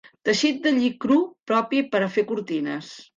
Teixit de lli cru propi per a fer cortines.